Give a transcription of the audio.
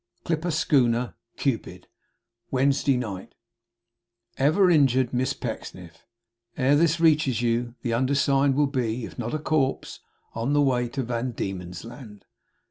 'CLIPPER SCHOONER, CUPID 'Wednesday night 'EVER INJURED MISS PECKSNIFF Ere this reaches you, the undersigned will be if not a corpse on the way to Van Dieman's Land.